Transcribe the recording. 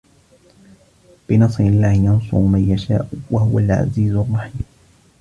بِنَصرِ اللَّهِ يَنصُرُ مَن يَشاءُ وَهُوَ العَزيزُ الرَّحيمُ